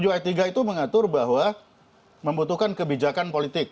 tujuh ayat tiga itu mengatur bahwa membutuhkan kebijakan politik